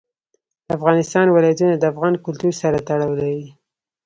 د افغانستان ولايتونه د افغان کلتور سره تړاو لري.